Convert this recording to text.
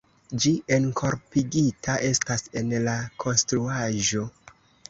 Ĝi enkorpigita estas en la konstruaĵo.